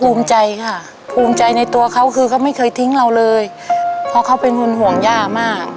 ภูมิใจค่ะภูมิใจในตัวเขาคือเขาไม่เคยทิ้งเราเลยเพราะเขาเป็นคนห่วงย่ามาก